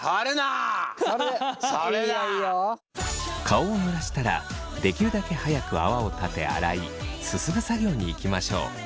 顔をぬらしたらできるだけ早く泡を立て洗いすすぐ作業にいきましょう。